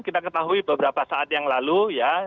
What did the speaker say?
kita ketahui beberapa saat yang lalu ya